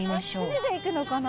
船で行くのかな？